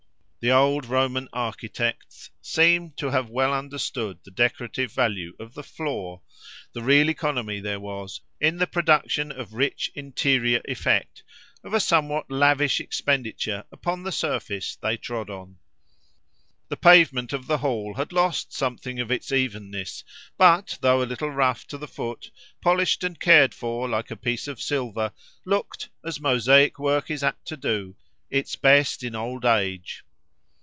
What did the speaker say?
The old Roman architects seem to have well understood the decorative value of the floor—the real economy there was, in the production of rich interior effect, of a somewhat lavish expenditure upon the surface they trod on. The pavement of the hall had lost something of its evenness; but, though a little rough to the foot, polished and cared for like a piece of silver, looked, as mosaic work is apt to do, its best in old age.